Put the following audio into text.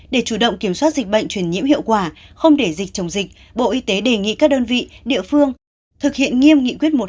để chủ động kiểm soát dịch bệnh truyền nhiễm hiệu quả không để dịch chồng dịch bộ y tế đề nghị các đơn vị địa phương thực hiện nghiêm nghị quyết một trăm sáu mươi